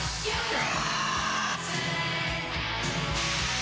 あ！